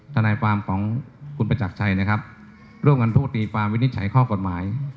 ทนายความของคุณประจักรชัยนะครับร่วมกันพูดตีความวินิจฉัยข้อกฎหมาย